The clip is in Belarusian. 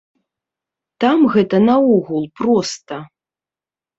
Там гэта наогул проста.